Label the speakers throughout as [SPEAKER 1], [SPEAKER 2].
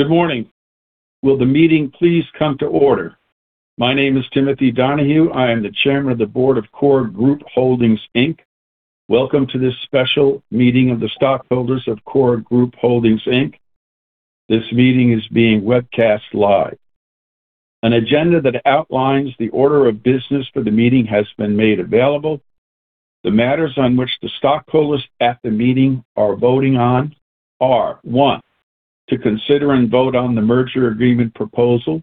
[SPEAKER 1] Good morning. Will the meeting please come to order? My name is Timothy Donahue. I am the Chairman of the Board of KORE Group Holdings, Inc. Welcome to this special meeting of the stockholders of KORE Group Holdings, Inc. This meeting is being webcast live. An agenda that outlines the order of business for the meeting has been made available. The matters on which the stockholders at the meeting are voting on are, one, to consider and vote on the Merger Agreement Proposal.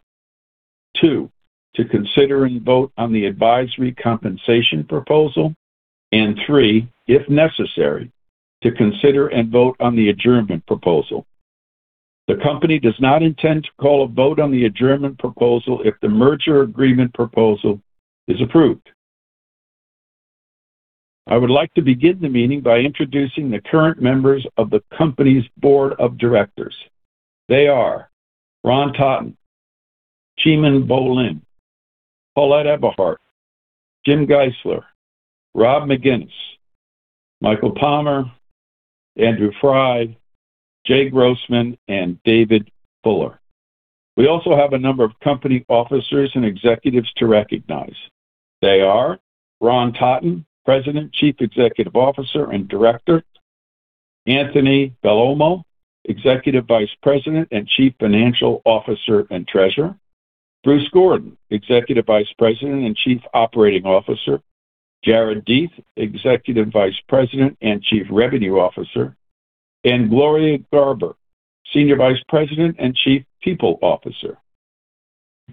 [SPEAKER 1] Two, to consider and vote on the Advisory Compensation Proposal. Three, if necessary, to consider and vote on the adjournment proposal. The company does not intend to call a vote on the adjournment proposal if the Merger Agreement Proposal is approved. I would like to begin the meeting by introducing the current members of the company's Board of Directors. They are Ron Totton, Cheemin Bo-Linn, Paulett Eberhart, Jim Geisler, Rob MacInnis, Michael Palmer, Andrew Frey, Jay Grossman, and David Fuller. We also have a number of company officers and executives to recognize. They are Ron Totton, President, Chief Executive Officer, and Director. Anthony Bellomo, Executive Vice President and Chief Financial Officer and Treasurer. Bruce Gordon, Executive Vice President and Chief Operating Officer. Jared Deith, Executive Vice President and Chief Revenue Officer. Gloria Garber, Senior Vice President and Chief People Officer.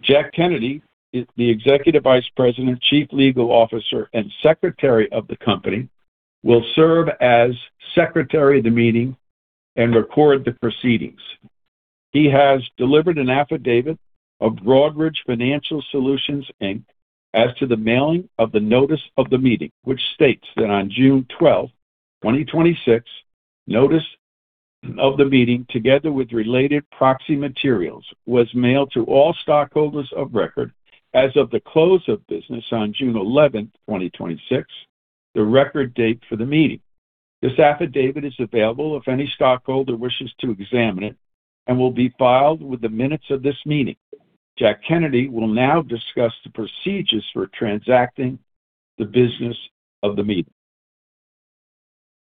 [SPEAKER 1] Jack Kennedy is the Executive Vice President, Chief Legal Officer, and Secretary of the company, will serve as Secretary of the meeting and record the proceedings. He has delivered an affidavit of Broadridge Financial Solutions, Inc. as to the mailing of the notice of the meeting, which states that on June 12th, 2026, notice of the meeting, together with related proxy materials, was mailed to all stockholders of record as of the close of business on June 11th, 2026, the record date for the meeting. This affidavit is available if any stockholder wishes to examine it and will be filed with the minutes of this meeting. Jack Kennedy will now discuss the procedures for transacting the business of the meeting.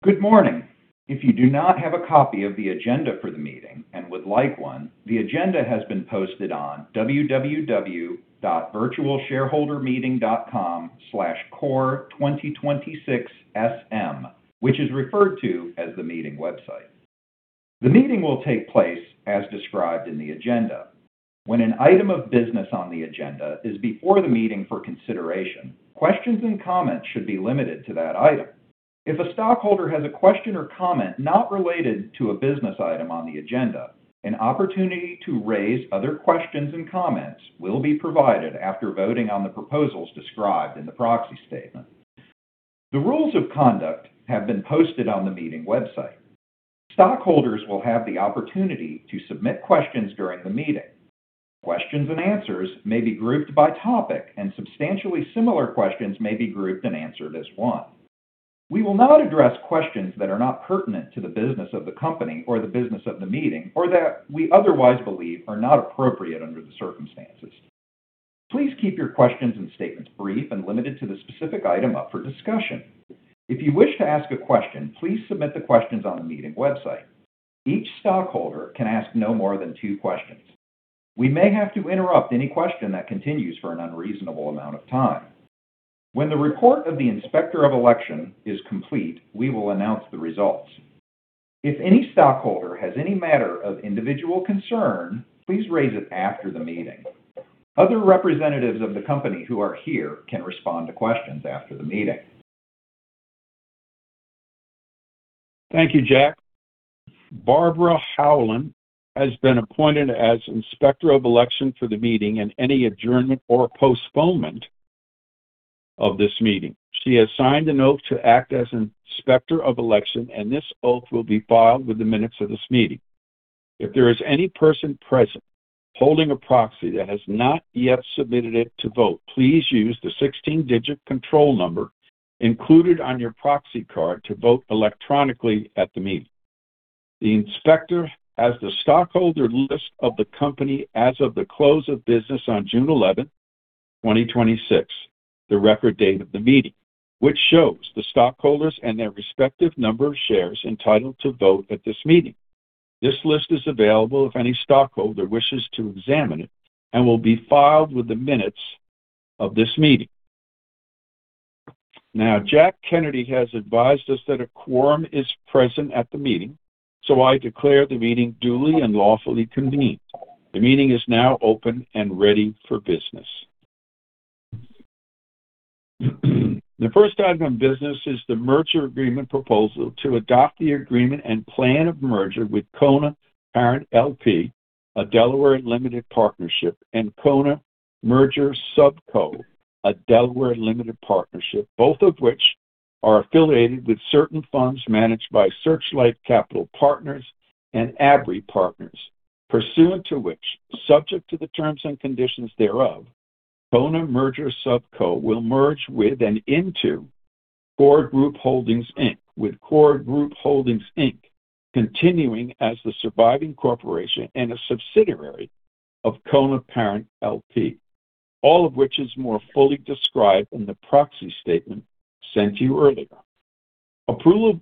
[SPEAKER 2] Good morning. If you do not have a copy of the agenda for the meeting and would like one, the agenda has been posted on www.virtualshareholdermeeting.com/kore2026sm, which is referred to as the meeting website. The meeting will take place as described in the agenda. When an item of business on the agenda is before the meeting for consideration, questions and comments should be limited to that item. If a stockholder has a question or comment not related to a business item on the agenda, an opportunity to raise other questions and comments will be provided after voting on the proposals described in the proxy statement. The rules of conduct have been posted on the meeting website. Stockholders will have the opportunity to submit questions during the meeting. Questions and answers may be grouped by topic, and substantially similar questions may be grouped and answered as one. We will not address questions that are not pertinent to the business of the company or the business of the meeting, or that we otherwise believe are not appropriate under the circumstances. Please keep your questions and statements brief and limited to the specific item up for discussion. If you wish to ask a question, please submit the questions on the meeting website. Each stockholder can ask no more than two questions. We may have to interrupt any question that continues for an unreasonable amount of time. When the report of the Inspector of Election is complete, we will announce the results. If any stockholder has any matter of individual concern, please raise it after the meeting. Other representatives of the company who are here can respond to questions after the meeting.
[SPEAKER 1] Thank you, Jack. Barbara Howland has been appointed as Inspector of Election for the meeting and any adjournment or postponement of this meeting. She has signed an oath to act as Inspector of Election, and this oath will be filed with the minutes of this meeting. If there is any person present holding a proxy that has not yet submitted it to vote, please use the 16-digit control number included on your proxy card to vote electronically at the meeting. The Inspector has the stockholder list of the company as of the close of business on June 11th, 2026, the record date of the meeting, which shows the stockholders and their respective number of shares entitled to vote at this meeting. This list is available if any stockholder wishes to examine it and will be filed with the minutes of this meeting. Jack Kennedy has advised us that a quorum is present at the meeting, I declare the meeting duly and lawfully convened. The meeting is now open and ready for business. The first item of business is the Merger Agreement Proposal to adopt the agreement and plan of merger with KONA Parent, L.P., a Delaware Limited Partnership, and KONA Merger Sub Co, a Delaware Limited Partnership, both of which are affiliated with certain funds managed by Searchlight Capital Partners and Abry Partners, pursuant to which, subject to the terms and conditions thereof, KONA Merger Sub Co will merge with and into KORE Group Holdings, Inc, with KORE Group Holdings, Inc continuing as the surviving corporation and a subsidiary of KONA Parent, L.P., all of which is more fully described in the proxy statement sent to you earlier. Approval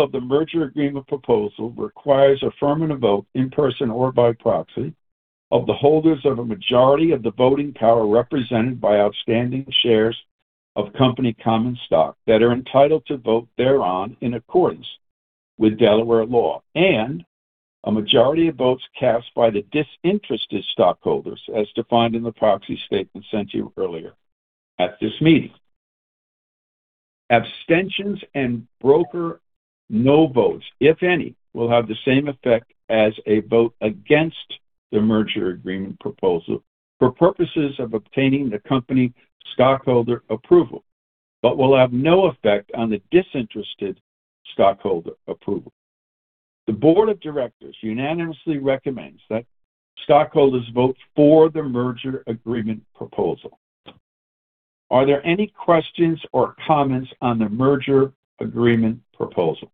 [SPEAKER 1] of the Merger Agreement Proposal requires affirmative vote in person or by proxy of the holders of a majority of the voting power represented by outstanding shares of company common stock that are entitled to vote thereon in accordance with Delaware law, and a majority of votes cast by the disinterested stockholders as defined in the proxy statement sent to you earlier at this meeting. Abstentions and broker non-votes, if any, will have the same effect as a vote against the Merger Agreement Proposal for purposes of obtaining the company stockholder approval, but will have no effect on the disinterested stockholder approval. The Board of Directors unanimously recommends that stockholders vote for the Merger Agreement Proposal. Are there any questions or comments on the Merger Agreement Proposal?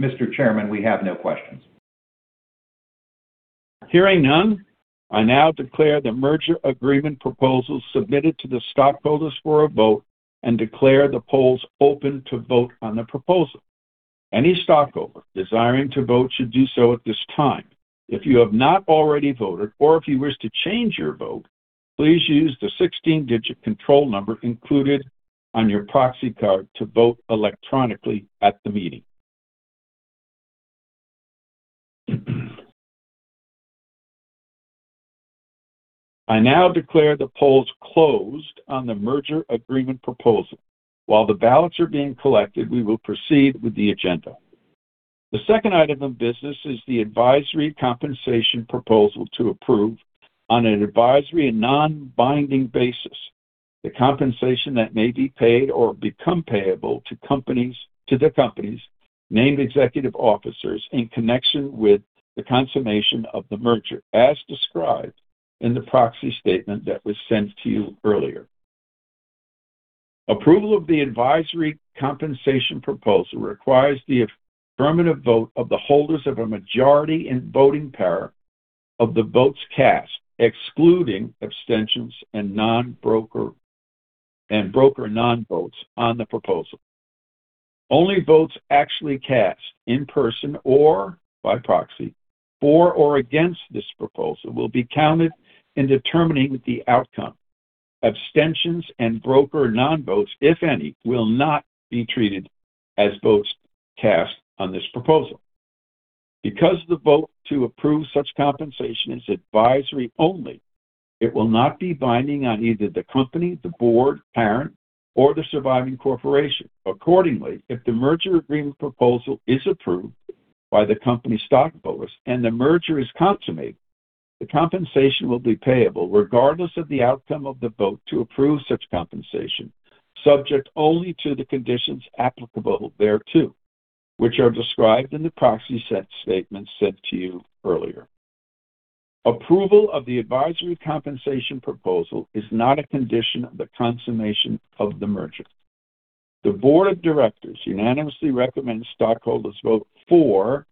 [SPEAKER 2] Mr. Chairman, we have no questions.
[SPEAKER 1] Hearing none, I now declare the Merger Agreement Proposal submitted to the stockholders for a vote and declare the polls open to vote on the proposal. Any stockholder desiring to vote should do so at this time. If you have not already voted, or if you wish to change your vote, please use the 16-digit control number included on your proxy card to vote electronically at the meeting. I now declare the polls closed on the Merger Agreement Proposal. While the ballots are being collected, we will proceed with the agenda. The second item of business is the advisory compensation proposal to approve, on an advisory and non-binding basis, the compensation that may be paid or become payable to the company's named executive officers in connection with the consummation of the merger, as described in the proxy statement that was sent to you earlier. Approval of the advisory compensation proposal requires the affirmative vote of the holders of a majority in voting power of the votes cast, excluding abstentions and broker non-votes on the proposal. Only votes actually cast, in person or by proxy, for or against this proposal, will be counted in determining the outcome. Abstentions and broker non-votes, if any, will not be treated as votes cast on this proposal. Because the vote to approve such compensation is advisory only, it will not be binding on either the company, the Board, parent, or the surviving corporation. Accordingly, if the Merger Agreement Proposal is approved by the company stockholders and the merger is consummated, the compensation will be payable regardless of the outcome of the vote to approve such compensation, subject only to the conditions applicable thereto, which are described in the proxy statement sent to you earlier. Approval of the advisory compensation proposal is not a condition of the consummation of the merger. The Board of Directors unanimously recommends stockholders vote for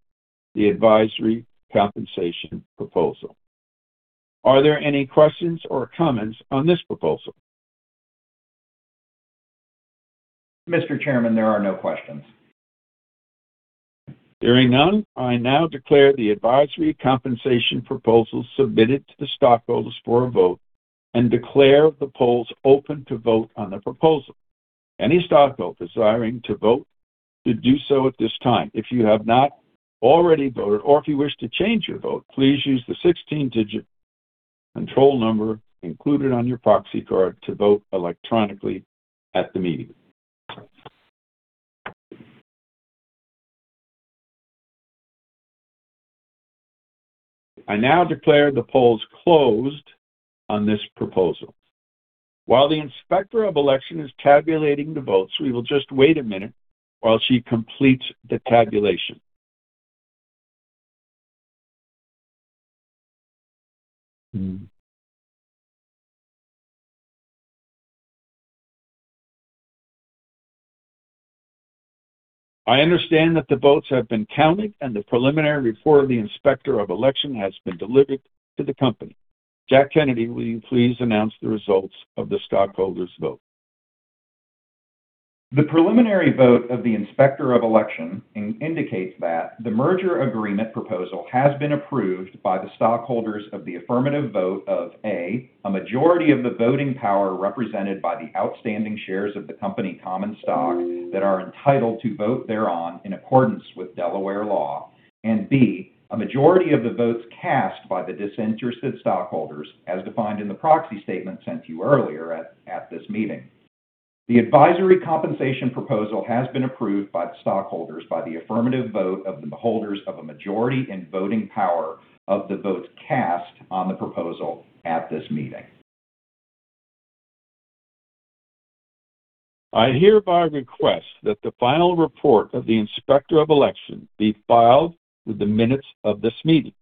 [SPEAKER 1] the advisory compensation proposal. Are there any questions or comments on this proposal?
[SPEAKER 2] Mr. Chairman, there are no questions.
[SPEAKER 1] Hearing none, I now declare the Advisory Compensation Proposal submitted to the stockholders for a vote and declare the polls open to vote on the proposal. Any stockholder desiring to vote should do so at this time. If you have not already voted, or if you wish to change your vote, please use the 16-digit control number included on your proxy card to vote electronically at the meeting. I now declare the polls closed on this proposal. While the Inspector of Election is tabulating the votes, we will just wait a minute while she completes the tabulation. I understand that the votes have been counted, and the preliminary report of the Inspector of Election has been delivered to the company. Jack Kennedy, will you please announce the results of the stockholders' vote?
[SPEAKER 2] The preliminary vote of the Inspector of Election indicates that the Merger Agreement Proposal has been approved by the stockholders of the affirmative vote of, A, a majority of the voting power represented by the outstanding shares of the company common stock that are entitled to vote thereon in accordance with Delaware law, and, B, a majority of the votes cast by the Disinterested Stockholders, as defined in the proxy statement sent to you earlier at this meeting. The Advisory Compensation Proposal has been approved by the stockholders by the affirmative vote of the holders of a majority in voting power of the votes cast on the proposal at this meeting.
[SPEAKER 1] I hereby request that the final report of the Inspector of Election be filed with the minutes of this meeting.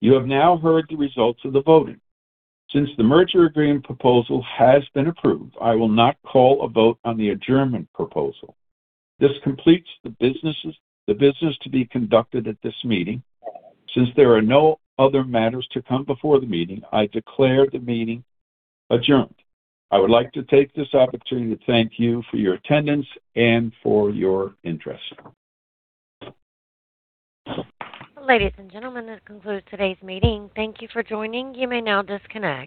[SPEAKER 1] You have now heard the results of the voting. Since the Merger Agreement Proposal has been approved, I will not call a vote on the Adjournment Proposal. This completes the business to be conducted at this meeting. Since there are no other matters to come before the meeting, I declare the meeting adjourned. I would like to take this opportunity to thank you for your attendance and for your interest.
[SPEAKER 3] Ladies and gentlemen, this concludes today's meeting. Thank you for joining. You may now disconnect.